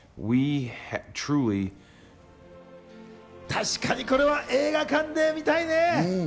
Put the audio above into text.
確かにこれは映画館で観たいね。